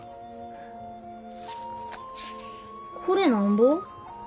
これなんぼ？